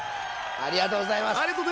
ありがとうございます。